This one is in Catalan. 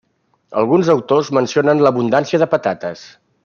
Alguns autors mencionen l'abundància de patates.